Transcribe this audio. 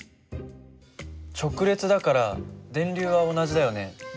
直列だから電流は同じだよね。